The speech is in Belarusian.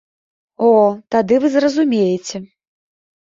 О, тады вы зразумееце.